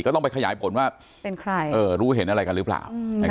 ก็ต้องไปขยายผลว่ารู้เห็นอะไรกันหรือเปล่า